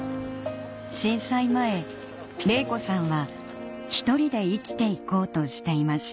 震災前玲子さんはひとりで生きていこうとしていました